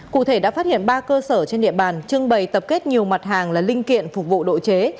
cụ thể đã phát hiện ba cơ sở trên địa bàn trưng bày tập kết nhiều mặt hàng là linh kiện phục vụ độ chế